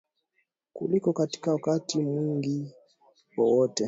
Kuliko katika wakati mwingine wowote